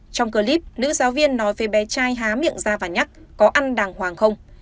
trong clip nữ giáo viên nói về bé trai há miệng ra và nhắc có ăn đàng hoàng không